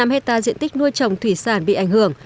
năm hectare diện tích nuôi trồng thủy sản bị ảnh hưởng